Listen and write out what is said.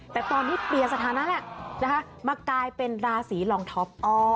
แต่ตอนนี้เปลี่ยนสถานะมากลายเป็นราศรีรองท็อป